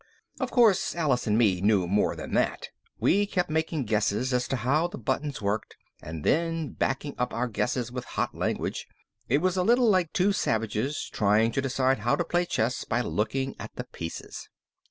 Of course Alice and me knew more than that. We kept making guesses as to how the buttons worked and then backing up our guesses with hot language. It was a little like two savages trying to decide how to play chess by looking at the pieces.